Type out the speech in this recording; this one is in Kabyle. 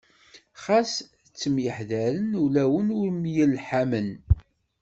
Xas ttemyeḥḍaṛen, ulawen ur myelḥamen.